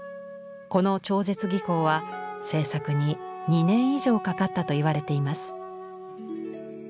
この超絶技巧は制作に２年以上かかったといわれています。